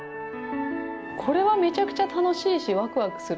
これはめちゃくちゃ楽しいしワクワクする。